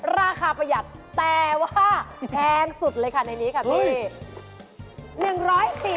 ประหยัดแต่ว่าแพงสุดเลยค่ะในนี้ค่ะพี่